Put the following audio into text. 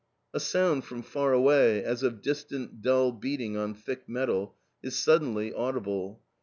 A sound from far away, as of distant, dull beating on thick metal, is suddenly audible.